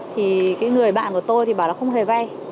thì cái người bạn của tôi thì bảo là không hề vay